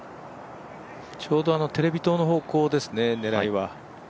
ちょうどテレビ塔の方向ですね、狙いは。